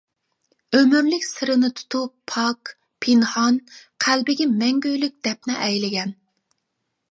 ئۆمۈرلۈك سىرىنى تۇتۇپ پاك، پىنھان، قەلبىگە مەڭگۈلۈك دەپنە ئەيلىگەن.